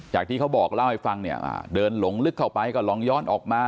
ที่เขาบอกเล่าให้ฟังเนี่ยเดินหลงลึกเข้าไปก็ลองย้อนออกมา